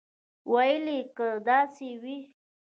ویل یې که داسې وي.